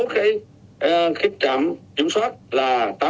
cái trạm kiểm soát là tám trăm bảy mươi bốn